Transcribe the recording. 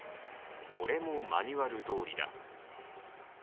これもマニュアルどおりだ。